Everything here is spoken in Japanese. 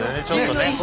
ちょっとね